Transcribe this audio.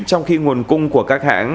trong khi nguồn cung của các hãng